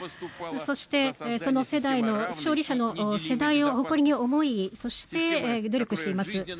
そして、その世代の勝利者の世代を誇りに思いそして、努力しています。